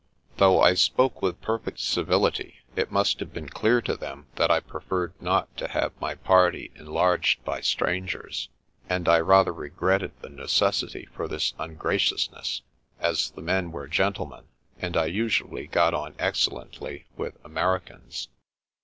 Though I spoke with perfect civility, it must have been clear to them that I preferred not to have my party enlarged by strangers, and I rather regretted the necessity for this ungraciousness, as the men were gentlemen, and I usually got on excellently with Americans.